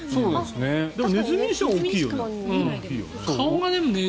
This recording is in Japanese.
でもネズミにしては大きいよね。